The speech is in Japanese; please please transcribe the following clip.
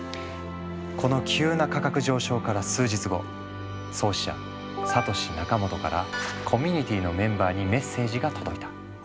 この急な価格上昇から数日後創始者サトシ・ナカモトからコミュニティーのメンバーにメッセージが届いた。